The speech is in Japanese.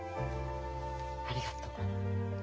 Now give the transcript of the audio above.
ありがとう。